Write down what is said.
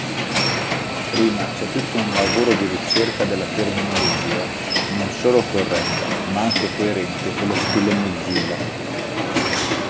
Prima c'è tutto un lavoro di ricerca della terminologia non solo corretta, ma anche coerente con lo stile Mozilla.